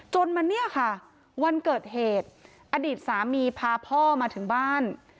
จนมาเนี่ยค่ะวันเกิดเหตุอดีตสามีพาพ่อมาถึงบ้าน